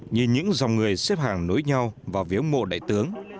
nhìn những dòng người xếp hàng nối nhau vào viếng mộ đại tướng